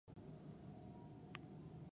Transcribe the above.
کلیوالو خوا نه بدوله.